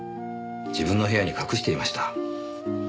自分の部屋に隠していました。